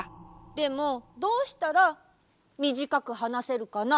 でもどうしたらみじかくはなせるかな？